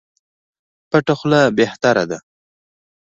پټه خوله بهتره ده.